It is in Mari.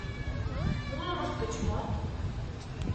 Мурымышт гыч мо?